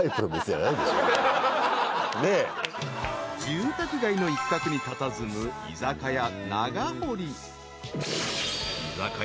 ［住宅街の一角にたたずむ居酒屋］